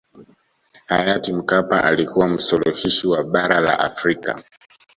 hayati mkapa alikuwa msuluhishi wa bara la afrika